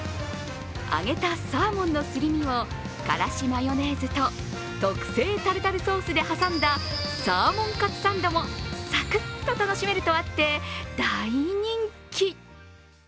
揚げたサーモンのすり身をからしマヨネーズと特製タルタルソースで挟んだサーモンカツサンドもさくっと楽しめるとあって大人気。